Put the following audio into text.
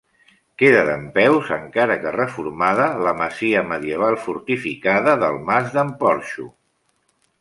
Queda dempeus, encara que reformada, la masia medieval fortificada del Mas d'en Porxo.